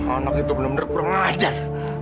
anak itu bener bener kurang ajar